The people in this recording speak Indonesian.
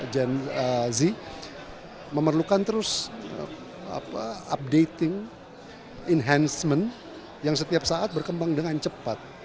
gen z memerlukan terus updating enhancement yang setiap saat berkembang dengan cepat